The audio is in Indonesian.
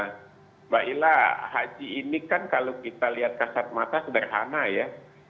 mbak ila haji ini kan kalau kita lihat kasat mata sederhana ya